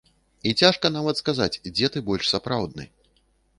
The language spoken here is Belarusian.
І цяжка нават сказаць дзе ты больш сапраўдны.